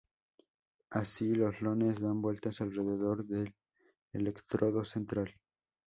Así los iones dan vueltas alrededor del electrodo central.